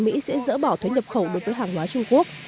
mỹ sẽ dỡ bỏ thuế nhập khẩu đối với hàng hóa trung quốc